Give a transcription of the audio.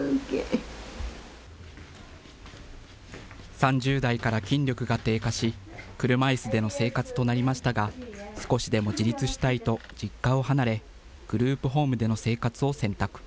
３０代から筋力が低下し、車いすでの生活となりましたが、少しでも自立したいと、実家を離れ、グループホームでの生活を選択。